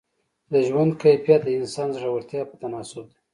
د ژوند کیفیت د انسان د زړورتیا په تناسب دی.